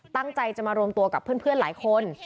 ตั้งใจจะมารวมตัวกับเพื่อนหลายคน